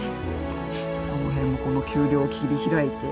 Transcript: この辺もこの丘陵を切り開いて。